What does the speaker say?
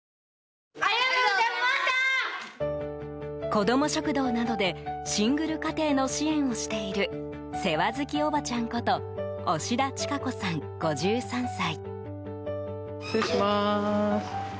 子ども食堂などでシングル家庭の支援をしている世話好きおばちゃんこと押田智子さん、５３歳。